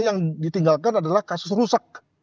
yang ditinggalkan adalah kasus rusak